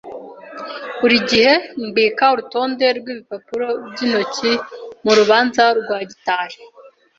Buri gihe mbika urutonde rwibipapuro byintoki murubanza rwa gitari.